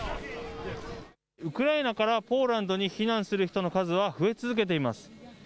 ウクライナからポーランドに避難する人の数は増え続けています。